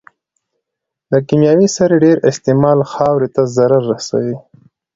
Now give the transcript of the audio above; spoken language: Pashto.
د کيمياوي سرې ډېر استعمال خاورې ته ضرر رسوي.